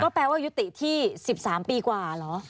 แปลว่ายุติที่๑๓ปีกว่าเหรอ